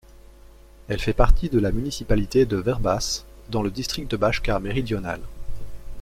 Elle fait partie de la municipalité de Vrbas dans le district de Bačka méridionale.